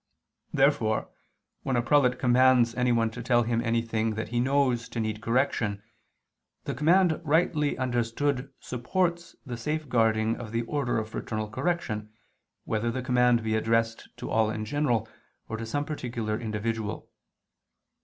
Therefore when a prelate commands anyone to tell him anything that he knows to need correction, the command rightly understood supports the safeguarding of the order of fraternal correction, whether the command be addressed to all in general, or to some particular individual.